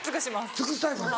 尽くすタイプ？